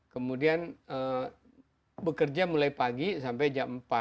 kemudian bekerja mulai pagi sampai jam empat